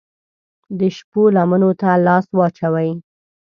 د شپو لمنو ته لاس واچوي